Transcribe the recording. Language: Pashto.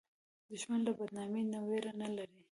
دښمن له بدنامۍ نه ویره نه لري